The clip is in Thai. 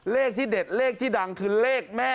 เลขที่เด็ดเลขที่ดังคือเลขแม่น้ำหนึ่ง